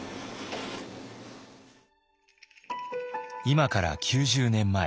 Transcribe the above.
今から９０年前。